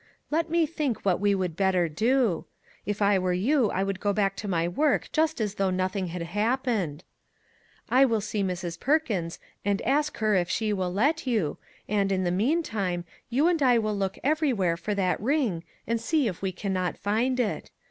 Let me think what we would better do. If I were you, I would go back to my work just as though noth ing had happened. I will see Mrs. Perkins and ask her if she will let you, and, in the mean time, you and I will look everywhere for that ring and see if we can not find it.